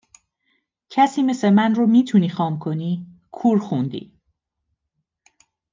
کسی مثل من رو میتونی خام کنی کور خوندی